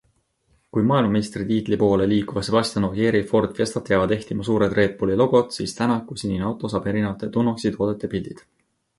Kui maailmameistritiitli poole liikuva Sebastien Ogier' Ford Fiestat jäävad ehtima suured Red Bulli logod, siis Tänaku sinine auto saab erinevate Tunnock'si toodete pildid.